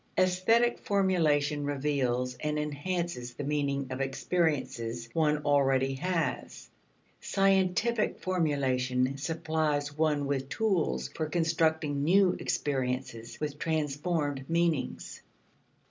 Aesthetic formulation reveals and enhances the meaning of experiences one already has; scientific formulation supplies one with tools for constructing new experiences with transformed meanings.